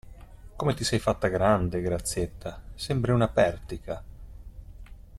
Come ti sei fatta grande, Grazietta; sembri una pertica.